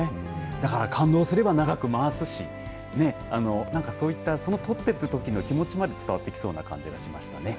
だから感動すれば長く回すしそういった撮っていたときの気持ちまで伝わってきそうな感じがしましたね。